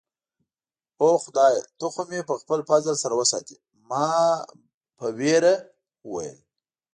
اوه، خدایه، ته خو مې په خپل فضل سره وساتې. ما په ویره وویل.